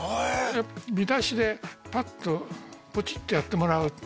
見出しでポチッとやってもらう。